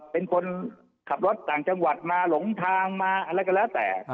เป็นคนขับรถต่างจังหวัดมาหลงทางมาอะไรก็แล้วแต่